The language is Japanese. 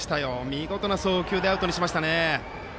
見事な送球でアウトにしましたね。